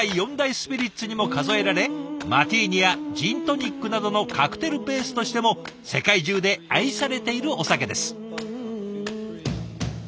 スピリッツにも数えられマティーニやジントニックなどのカクテルベースとしても世界中で愛されているお酒です。